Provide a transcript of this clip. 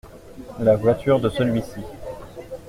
La voiture de celui-ci.